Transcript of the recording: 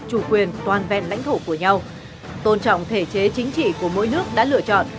chủ quyền toàn vẹn lãnh thổ của nhau tôn trọng thể chế chính trị của mỗi nước đã lựa chọn